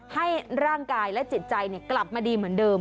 ให้ร่างกายและจิตใจกลับมาดีเหมือนเดิม